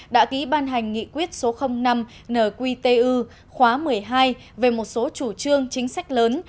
đã ký ban hành nghị quyết số năm nqtu khóa một mươi hai về một số chủ trương chính sách lớn